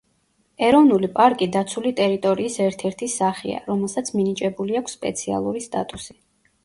ეროვნული პარკი დაცული ტერიტორიის ერთ-ერთი სახეა, რომელსაც მინიჭებული აქვს სპეციალური სტატუსი.